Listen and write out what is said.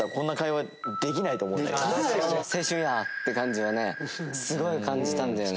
青春や！って感じはねすごい感じたんだよね。